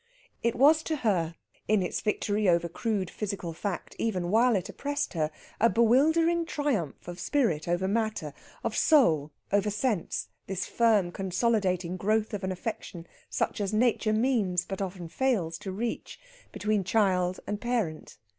It was to her, in its victory over crude physical fact, even while it oppressed her, a bewildering triumph of spirit over matter, of soul over sense, this firm consolidating growth of an affection such as Nature means, but often fails to reach, between child and parent.